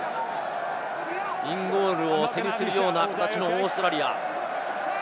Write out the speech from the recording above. インゴールを背にするような形のオーストラリア。